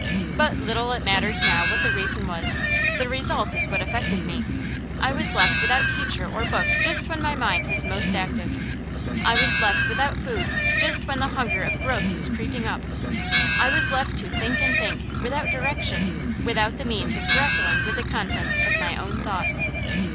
But little it matters now what the reason was; the result is what affected me. I was left without teacher or book just when my mind was most active. I was left without food just when the hunger of growth was creeping up. I was left to think and think, without direction; without the means of grappling with the contents of my own thought.